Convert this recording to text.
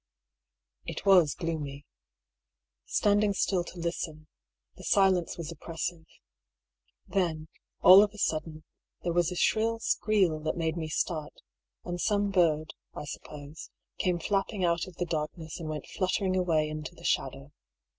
It was gloomy. Standing still to listen, the silence was oppressive. Then, all of a sudden, there was a shrill skreel that made me start; and some bird, I suppose, came flapping out of the darkness and went fluttering away into the shadow.